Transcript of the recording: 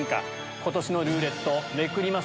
ことしのルーレット、めくります。